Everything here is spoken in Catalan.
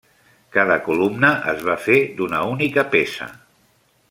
Cada columna es va fer d'una única peça.